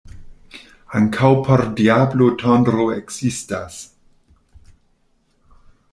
Ankaŭ por diablo tondro ekzistas.